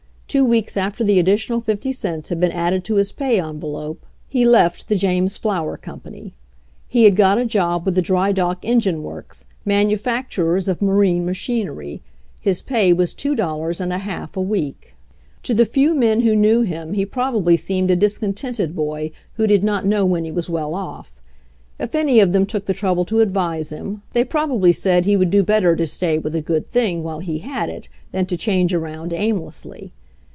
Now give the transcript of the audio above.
Two weeks after the additional fifty cents had been added to his pay envelope he left the James 26 $ GETTING THE MACHINE IDEA 27 Flower Company. He had got a job with the Drydock Engine works, manufacturers of ma rine machinery. His pay was two dollars and a half a week. To the few men who knew him he probably seemed a discontented boy who did not know when he was well off. If any of them took the trouble to advise him, they probably said he would do better to stay with a good thing while he had it than to change around aimlessly.